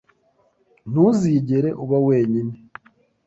Ntuzigera uba wenyine,